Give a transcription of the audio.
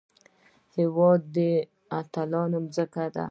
هېواد د اتلانو ځمکه ده